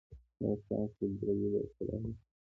ایا ستاسو ګروي به پوره وي؟